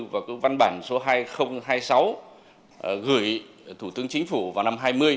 và các văn bản số hai nghìn hai mươi sáu gửi thủ tướng chính phủ vào năm hai nghìn hai mươi